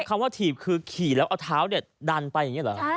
คำว่าถีบคือขี่แล้วเอาเท้าเนี่ยดันไปอย่างนี้เหรอ